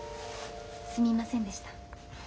すみませんでした。